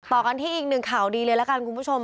ต่อกันที่อีก๑ข่าวดีเลยแล้วกันคุณผู้ชม